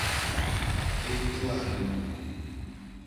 E do alo.